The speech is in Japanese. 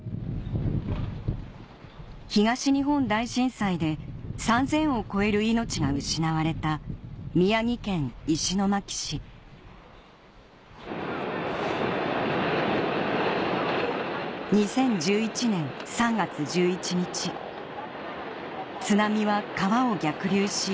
東日本大震災で３０００を超える命が失われた宮城県石巻市津波は川を逆流し